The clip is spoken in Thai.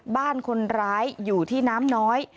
บ้านคนร้ายอยู่ที่น้ำน้อย